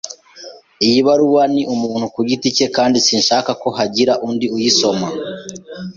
Iyi baruwa ni umuntu ku giti cye, kandi sinshaka ko hagira undi uyisoma.